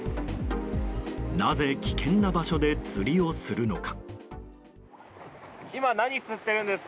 なぜ、危険な場所で釣りをするのか。